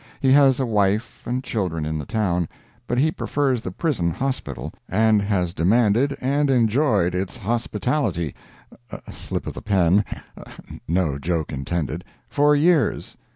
He has a wife and children in the town, but he prefers the prison hospital, and has demanded and enjoyed its hospitality (slip of the pen—no joke intended) for years.